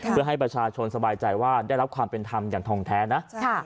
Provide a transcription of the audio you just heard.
เพื่อให้ประชาชนสบายใจว่าได้รับความเป็นธรรมอย่างทองแท้นะ